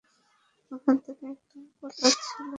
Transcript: ওখান থেকে একটা পাঠাচ্ছি, শান্ত হ।